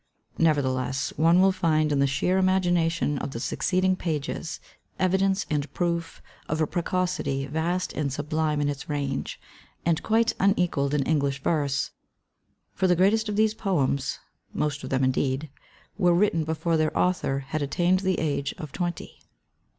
Nevertheless, one will fiaid in the sheer imagina tion of the succeeding pages evidence and proof of a precocity vast and sublime in its range, and quite unequalled in English verse; for the greatest of these poems (most of themi, indeed,) were writ ten before their author had attained the age of •<:■ V^ ^^'^'^' A :f^: S^^<^^; '"^ vj,. ^' r^'^: •<.. 'i : .A: ... J . twenty.